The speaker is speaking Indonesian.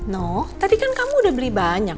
no tadi kan kamu udah beli banyak